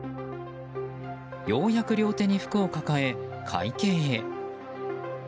ようやく両手に服を抱え、会計へ。